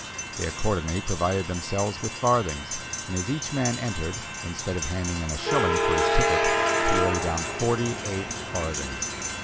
They accordingly provided themselves with farthings, and as each man entered, instead of handing in a shilling for his ticket, he laid down forty eight farthings.